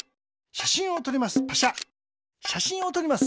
しゃしんをとります。